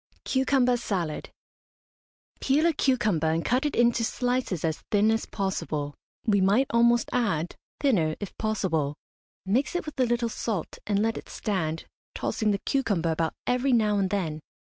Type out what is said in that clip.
CUCUMBER SALAD. Peel a cucumber and cut it into slices as thin as possible. We might almost add, thinner if possible. Mix it with a little salt, and let it stand, tossing the cucumber about every now and then.